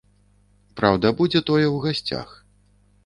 Праўда, будзе тое ў гасцях.